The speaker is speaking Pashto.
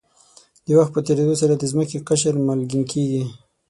د وخت په تېرېدو سره د ځمکې قشر مالګین کېږي.